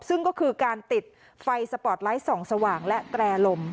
ซึ่งก็คือการติดไฟสปอร์ตไลท์ส่องสว่างและแตรลม